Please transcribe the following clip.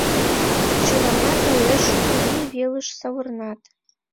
Чыланат уэш Гурий велыш савырнат.